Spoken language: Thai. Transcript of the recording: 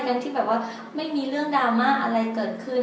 ที่แบบว่าไม่มีเรื่องดราม่าอะไรเกิดขึ้น